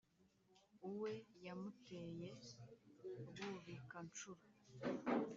uwe yamuteye rwubikanshuro